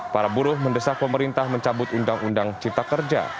para buruh mendesak pemerintah mencabut undang undang cipta kerja